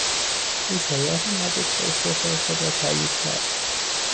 او شایعات مربوط به استعفای خود راتایید کرد.